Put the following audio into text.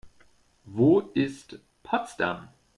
Wo ist Potsdam?